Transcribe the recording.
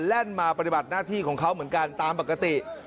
แล่นมาปฏิบัติหน้าที่ของเขาเหมือนกันตามปกติ